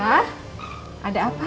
hah ada apa